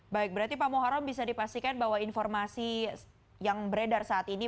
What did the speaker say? baik berarti pak muharam bisa dipastikan bahwa informasi yang beredar saat ini